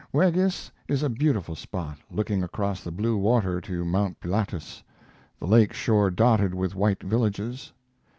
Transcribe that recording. Weggis is a beautiful spot, looking across the blue water to Mount Pilatus, the lake shore dotted with white villages.